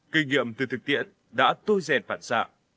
kinh nghiệm từ thực tiễn đã tôi rèn phản xạ